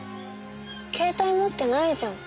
携帯持ってないじゃん。